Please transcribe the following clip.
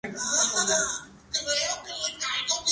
Era el Patrimonio de San Pedro.